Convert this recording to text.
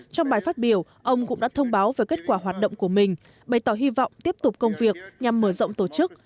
trong bài phát biểu ông cũng đã thông báo về kết quả hoạt động của mình bày tỏ hy vọng tiếp tục công việc nhằm mở rộng tổ chức